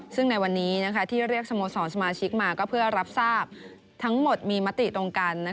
ซึ่งในวันนี้ที่เรียกสโมสรสมาชิกมาก็เพื่อรับทราบทั้งหมดมีมติตรงกัน